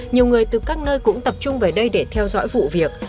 nhiều người từ các nơi cũng tập trung về đây để theo dõi vụ việc